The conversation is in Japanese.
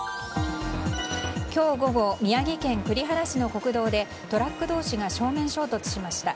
今日午後宮城県栗原市の国道でトラック同士が正面衝突しました。